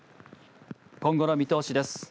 今後の見通しです。